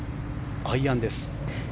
アイアンです。